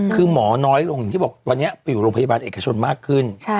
คือหมอน้อยลงอย่างที่บอกวันนี้ไปอยู่โรงพยาบาลเอกชนมากขึ้น